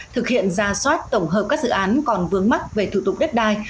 thực hiện ra soát tổng hợp các dự án còn vướng mắc về thủ tục đất đai